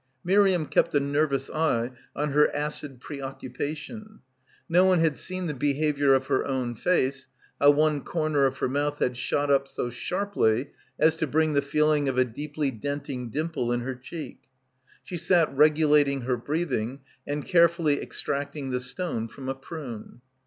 Miriam kept a nervous eye on her acid preoccu pation. No one had seen the behaviour of her own face, how one corner of her mouth had shot up so sharply as to bring the feeling of a deeply denting dimple in her cheek. She sat regulating her breathing and carefully extracting the stone from a prune.